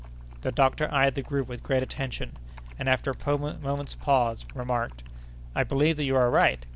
The doctor eyed the group with great attention, and, after a moment's pause, remarked: "I believe that you are right.